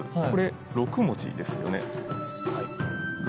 これ、６文字ですよね。